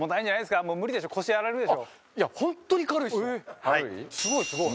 すごいすごい。